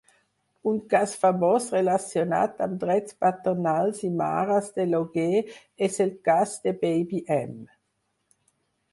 Un cas famós relacionat amb drets paternals i mares de lloguer és el cas de Baby M.